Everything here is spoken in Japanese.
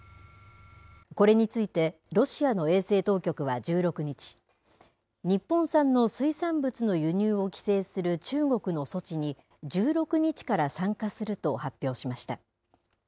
これについて、ロシアの衛生当局は１６日、日本産の水産物の輸入を規制する中国の措置に、１６日から参加すると発表しました。